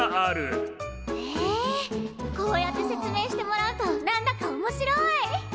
へえこうやって説明してもらうと何だかおもしろい！